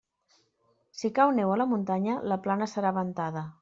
Si cau neu a la muntanya, la plana serà ventada.